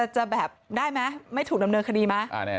จะแบบได้มั้ยไม่ถูกดำเนินคณีมา